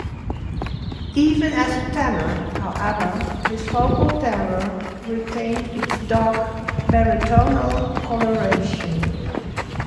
Even as a tenor, however, his vocal timbre retained its dark, baritonal colouration.